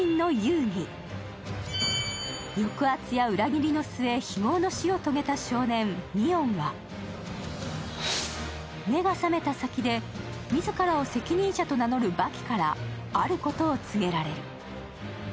抑圧や裏切りの末、非業の死を遂げた少年、ミオンは目が覚めた先で自らを責任者と名乗るバキからあることを告げられる。